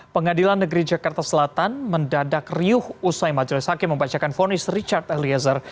pengadilan negeri jakarta selatan mendadak riuh usai majelis hakim membacakan fonis richard eliezer